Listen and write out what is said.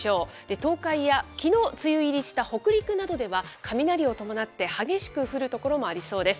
東海や、きのう梅雨入りした北陸などでは、雷などを伴って激しく降る所もありそうです。